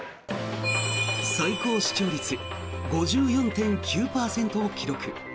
最高視聴率５４．９％を記録。